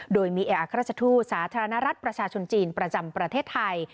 โดยมีเอกอัครราชทูตสาธารณรัฐประชาชนจีนประจำประเทศไทย